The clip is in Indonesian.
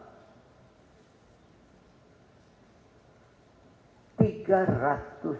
tiga ratus ribu tahun